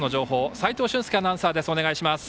齋藤舜介アナウンサーです。